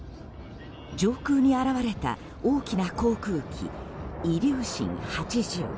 上空に現れた大きな航空機イリューシン８０。